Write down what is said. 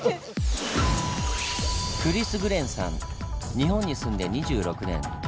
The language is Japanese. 日本に住んで２６年。